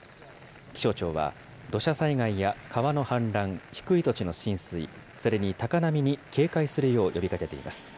気象庁は土砂災害や川の氾濫、低い土地の浸水、それに高波に警戒するよう呼びかけています。